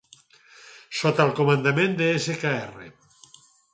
Sota el comandament de Skr.